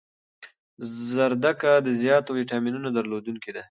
زردکه د زیاتو ویټامینونو درلودنکی ده